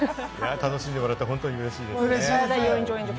楽しんでもらえてうれしいですね。